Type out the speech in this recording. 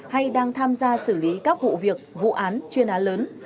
hay đang tham gia xử lý các vụ việc vụ án chuyên án lớn